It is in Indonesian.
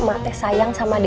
emak teh sayang sama dede